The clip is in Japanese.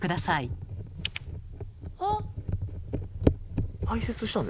あっ。